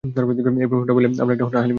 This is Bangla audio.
এই প্রমোশনটা পেলে, আমরা একটা হানিমুনে যাবো।